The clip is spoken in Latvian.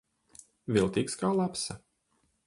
Viltīgs kā lapsa.